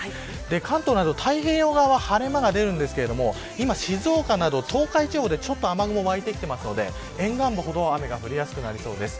関東など太平洋側は晴れ間が出ますが静岡など東海地方で今、雨雲が湧いてきているので沿岸部ほど雨が降りやすくなりそうです。